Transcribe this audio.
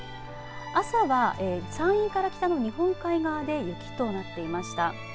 朝は、山陰から北の日本海側で雪となっていました。